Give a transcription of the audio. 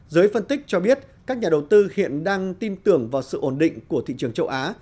giới phân tích cho biết các nhà đầu tư hiện đang tin tưởng vào sự ổn định của thị trường châu á